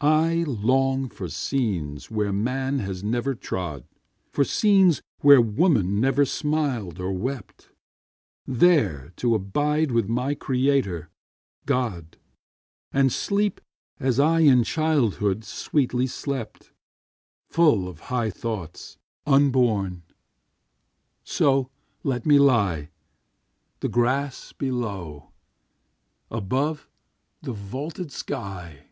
I long for scenes where man has never trod— For scenes where woman never smiled or wept— There to abide with my Creator, God, 15 And sleep as I in childhood sweetly slept, Full of high thoughts, unborn. So let me lie,— The grass below; above, the vaulted sky.